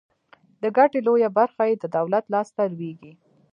د ګټې لویه برخه یې د دولت لاس ته لویږي.